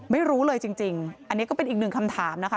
ไม่รู้เลยจริงอันนี้ก็เป็นอีกหนึ่งคำถามนะคะ